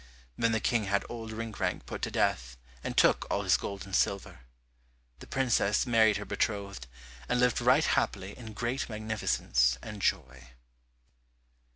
Then the King had Old Rinkrank put to death, and took all his gold and silver. The princess married her betrothed, and lived right happily in great magnificence and joy.